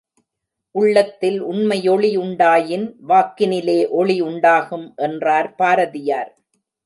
உள்ளத்தில் உண்மையொளி உண்டாயின், வாக்கினிலே ஒளி உண்டாகும் என்றார் பாரதியார்.